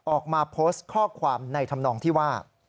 ออกมาโพสต์ข้อความในธรรมนองที่ว่า